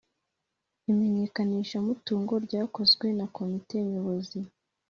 Imenyekanishamutungo ryakozwe na komite nyobozi